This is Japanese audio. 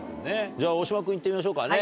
じゃあ大島君いってみましょうかね。